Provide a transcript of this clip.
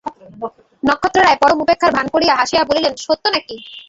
নক্ষত্ররায় পরম উপেক্ষার ভান করিয়া হাসিয়া বলিলেন, সত্য না কি!